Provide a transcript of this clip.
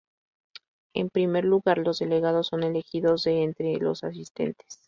En primer lugar, los delegados son elegidos de entre los asistentes.